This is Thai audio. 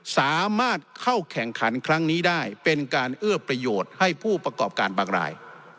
สามารถเข้าแข่งขันครั้งนี้ได้เป็นการเอื้อประโยชน์ให้ผู้ประกอบการบางราย